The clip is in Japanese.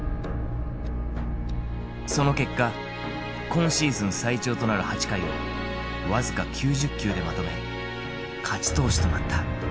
その結果今シーズン最長となる８回を僅か９０球でまとめ勝ち投手となった。